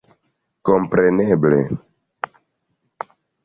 kompreneble